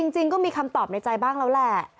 จริงก็มีคำตอบในใจบ้างแล้วแหละ